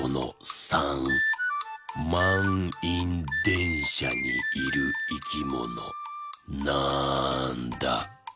まんいんでんしゃにいるいきものなんだ？